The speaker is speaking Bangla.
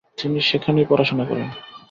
তিনি সেখানেই পড়াশোনা করেন।